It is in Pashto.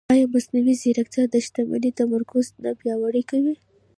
ایا مصنوعي ځیرکتیا د شتمنۍ تمرکز نه پیاوړی کوي؟